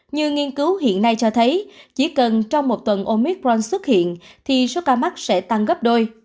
như nghiên cứu hiện nay cho thấy chỉ cần trong một tuần omicron xuất hiện thì số ca mắc sẽ tăng gấp đôi